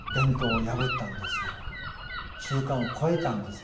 法律を破ったんですよ。